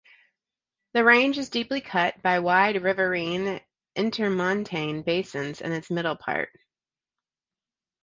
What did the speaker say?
The range is deeply cut by wide riverine intermontane basins in its middle part.